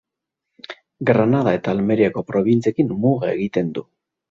Granada eta Almeriako probintziekin muga egiten du.